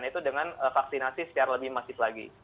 yaitu dengan vaksinasi secara lebih emaksis lagi